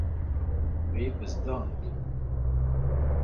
Wê bizdand.